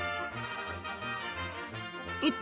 一体